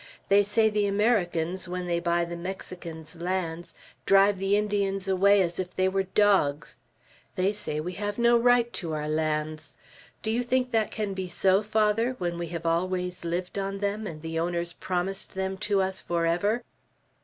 They say the Americans, when they buy the Mexicans' lands, drive the Indians away as if they were dogs; they say we have no right to our lands. Do you think that can be so, Father, when we have always lived on them, and the owners promised them to us forever?"